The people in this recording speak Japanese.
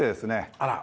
あら。